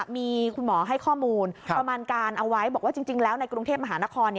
มีคุณหมอให้ข้อมูลประมาณการเอาไว้บอกว่าจริงแล้วในกรุงเทพมหานคร